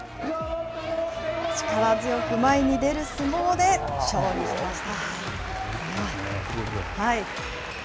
力強く前に出る相撲で勝利しました。